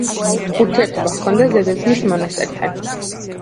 ურთიერთობა ჰქონდა ზედაზნის მონასტერთან.